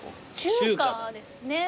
中華ですね。